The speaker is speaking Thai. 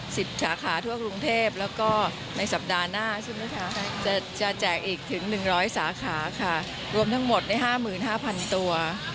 ๑๐สาขาทั่วกรุงเทพแล้วก็ในสัปดาห์หน้าจะแจกอีกถึง๑๐๐สาขาค่ะรวมทั้งหมด๕๕๐๐๐ตัว